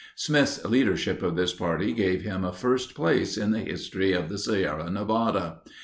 Smith's leadership of this party gave him a first place in the history of the Sierra Nevada.